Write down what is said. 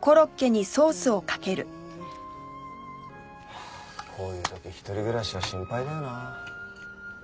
はあこういう時一人暮らしは心配だよなあ。